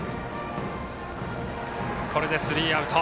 これでスリーアウト。